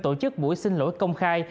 tổ chức buổi xin lỗi công khai